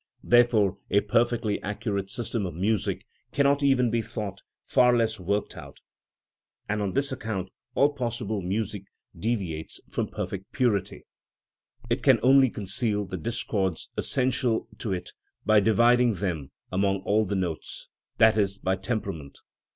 Therefore a perfectly accurate system of music cannot even be thought, far less worked out; and on this account all possible music deviates from perfect purity; it can only conceal the discords essential to it by dividing them among all the notes, i.e., by temperament.